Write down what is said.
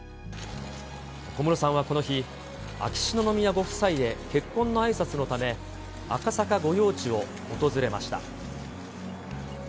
小室さんはこの日、秋篠宮ご夫妻へ結婚のあいさつのため、赤坂御用地を訪れました。